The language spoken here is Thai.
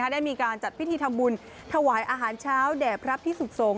ได้มีการจัดพิธีทำบุญถวายอาหารเช้าแด่พระพิสุขสงฆ